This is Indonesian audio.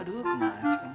aduh gimana sih kamu